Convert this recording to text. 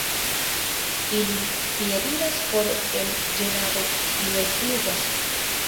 Ili piediras for el ĝenado pli ol flugas.